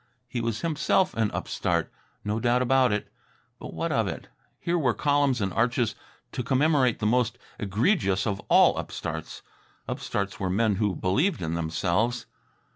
He was himself an upstart. No doubt about it. But what of it? Here were columns and arches to commemorate the most egregious of all upstarts. Upstarts were men who believed in themselves.